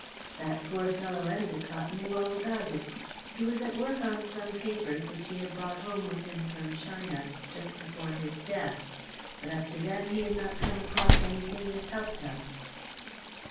That poor fellow Endacott knew all about it. He was at work on some papers, which he had brought home with him from China, just before his death, but up to then he had not come across anything that helped us."